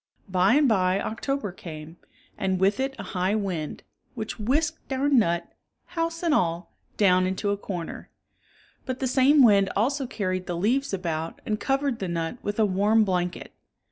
By and by October came, and with it a high wind, which whisked our nut, house and all, down into a corner. But the same wind also carried the leaves about and covered the nut with a warm blanket.